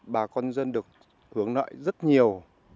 bà con dân được hướng nợi rất nhiều